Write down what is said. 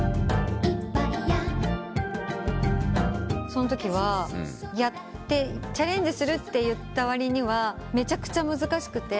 そのときはチャレンジするって言った割にはめちゃくちゃ難しくて。